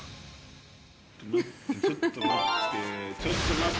ちょっと待って。